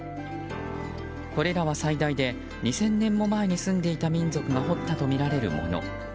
これらは最大で２０００年も前に住んでいた民族が彫ったとみられるもの。